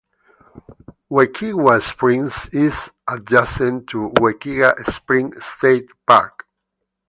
Wekiwa Springs is adjacent to Wekiwa Springs State Park.